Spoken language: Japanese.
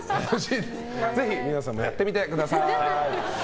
ぜひ皆さんもやってみてください。